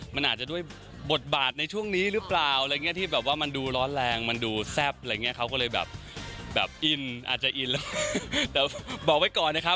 มันอาจจะด้วยบทบาทในช่วงนี้หรือเปล่า